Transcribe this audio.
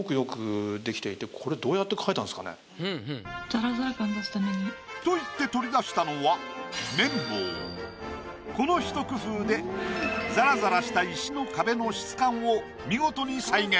このすごくよく出来ていてと言って取り出したのはこのひと工夫でざらざらした石の壁の質感を見事に再現。